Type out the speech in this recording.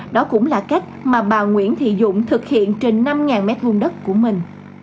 đó cũng là cách mà bà nguyễn thị dũng thực hiện trên năm m hai đất của mình